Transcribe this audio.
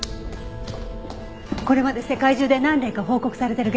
これまで世界中で何例か報告されている現象ですね。